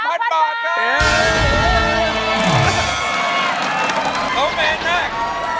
เขาเป็นแรก